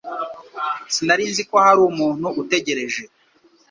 Sinari nzi ko hari umuntu utegereje